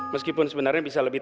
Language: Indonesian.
meskipun sebenarnya bisa lebih